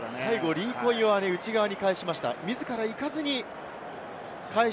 リーコ・イオアネ、内側に返しました。